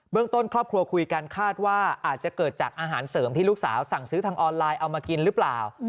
ต้นครอบครัวคุยกันคาดว่าอาจจะเกิดจากอาหารเสริมที่ลูกสาวสั่งซื้อทางออนไลน์เอามากินหรือเปล่า